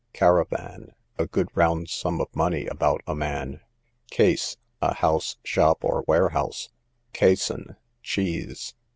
Caravan, a good round sum of money about a man. Case, a house, shop, or warehouse. Cassun, cheese.